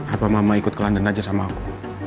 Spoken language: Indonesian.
apa mama ikut ke london aja sama aku